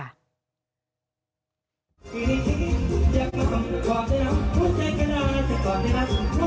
โห